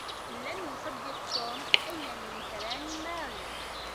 لم يصدّق توم أيا من كلام ماري.